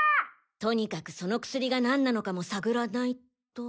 とにかくその薬が何なのかも探らないと。